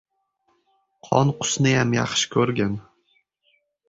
— Qonqusniyam yaxshi ko‘rgin.